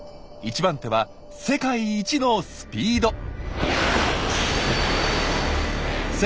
一番手は世界一のスピード。